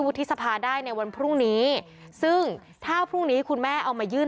สภาได้ในวันพรุ่งนี้ซึ่งถ้าพรุ่งนี้คุณแม่เอามายื่น